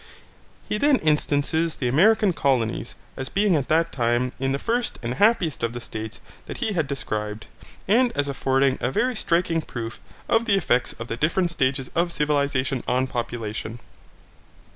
He then instances the American colonies, as being at that time in the first and happiest of the states that he had described, and as affording a very striking proof of the effects of the different stages of civilization on population.